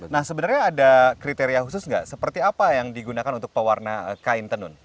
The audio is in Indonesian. nah sebenarnya ada kriteria khusus nggak seperti apa yang digunakan untuk pewarna kain tenun